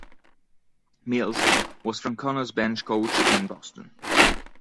Mills was Francona's bench coach in Boston.